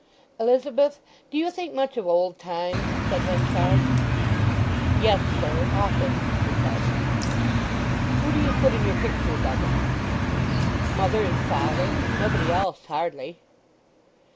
"Elizabeth, do you think much of old times?" said Henchard. "Yes, sir; often," she said. "Who do you put in your pictures of 'em?" "Mother and father—nobody else hardly."